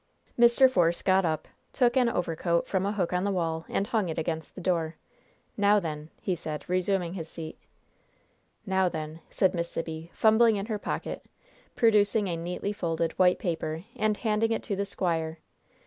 Mr. Force got up, took an overcoat from a hook on the wall and hung it against the door. "Now, then!" he said, resuming his seat. "Now, then!" said Miss Sibby, fumbling in her pocket, producing a neatly folded, white paper, and handing it to the squire.